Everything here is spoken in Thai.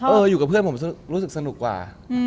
อยู่กับเพื่อนผมรู้สึกสนุกกว่า